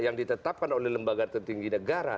yang ditetapkan oleh lembaga tertinggi negara